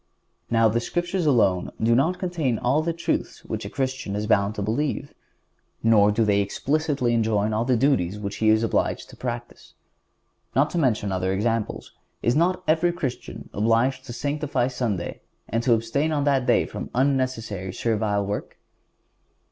Now the Scriptures alone do not contain all the truths which a Christian is bound to believe, nor do they explicitly enjoin all the duties which he is obliged to practice. Not to mention other examples, is not every Christian obliged to sanctify Sunday and to abstain on that day from unnecessary servile work?